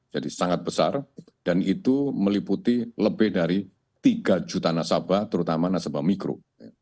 jadi sangat besar dan itu meliputi lebih dari tiga juta nasabah terutama nasabah mikro